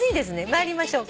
参りましょうか。